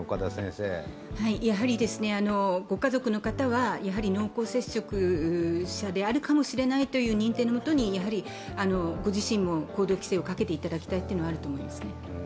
やはりご家族の方は濃厚接触者であるかもしれないという認定の元にご自身も行動規制をかけていただきたいというのはありますね。